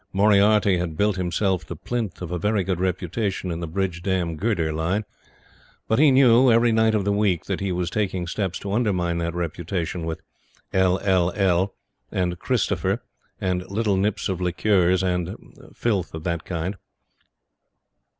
Moriarty had built himself the plinth of a very good reputation in the bridge dam girder line. But he knew, every night of the week, that he was taking steps to undermine that reputation with L. L. L. and "Christopher" and little nips of liqueurs, and filth of that kind.